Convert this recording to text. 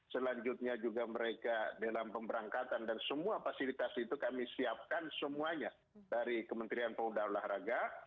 selanjutnya juga mereka dalam pemberangkatan dan semua fasilitas itu kami siapkan semuanya dari kementerian pemuda olahraga